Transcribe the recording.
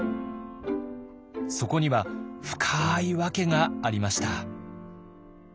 そこには深い訳がありました。